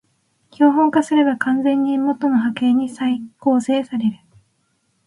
標本化すれば完全に元の波形に再構成される